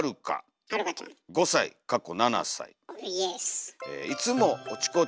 イエス。